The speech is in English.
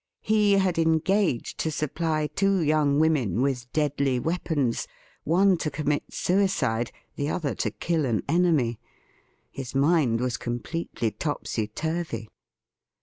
He had engaged to supply two young women with deadly weapons — one to commit suicide, the other to kill an enemy. His mind was completely topsy turvy.